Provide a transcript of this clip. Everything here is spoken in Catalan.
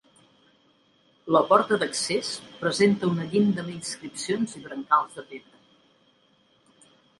La porta d'accés presenta una llinda amb inscripcions i brancals de pedra.